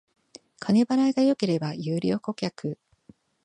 金払いが良ければ優良顧客